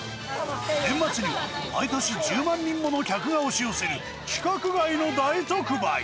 年末には、毎年１０万人もの客が押し寄せる、規格外の大特売。